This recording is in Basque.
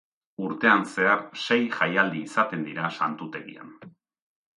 Urtean zehar sei jaialdi izaten dira santutegian.